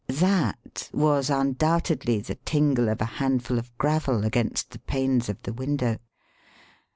"That" was undoubtedly the tingle of a handful of gravel against the panes of the window.